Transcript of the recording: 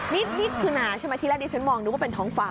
นี่คืนนาใช่มั้ยทีละดีฉันมองดูว่าเป็นท้องฟ้า